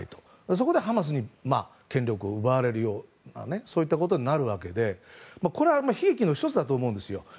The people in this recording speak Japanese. そこでハマスに権力を奪われるようなことになるわけでこれは悲劇の１つだと思うんですよ。